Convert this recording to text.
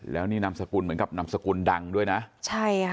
แล้วนี่นามสกุลเหมือนกับนามสกุลดังด้วยนะใช่ค่ะ